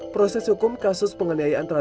proses hukum kasus penganiayaan